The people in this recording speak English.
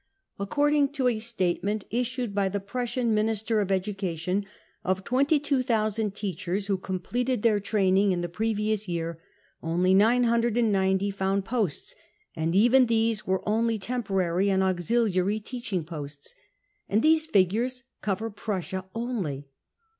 According to a statement issued by the Prussian Minister of Education, of 22,000 teachers who completed their training in the pre vious year, only 990 found posts, and even these were only temporary and auxiliary teaching posts. And these figures cover Prussia only